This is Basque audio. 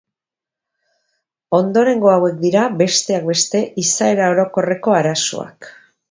Ondorengo hauek dira, besteak beste, izaera orokorreko arazoak.